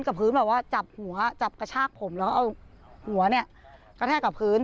กับพื้นแบบว่าจับหัวจับกระชากผมแล้วก็เอาหัวเนี่ยกระแทกกับพื้น